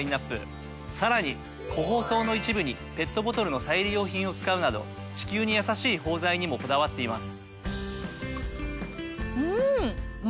さらに個包装の一部にペットボトルの再利用品を使うなど地球にやさしい包材にもこだわっています。